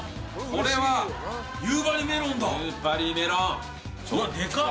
これは。夕張メロン。